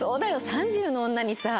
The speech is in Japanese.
３０の女にさ。